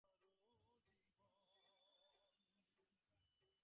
চরম একত্বকে পূর্ণভাবে উপলব্ধি করিতে পারিলেই জড়বিজ্ঞান লক্ষ্যে উপনীত হয়।